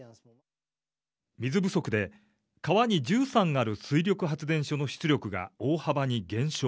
水不足で川に１３ある水力発電所の出力が大幅に減少。